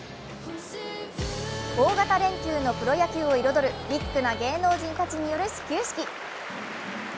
大型連休のプロ野球を彩るビッグな芸能人たちによる始球式。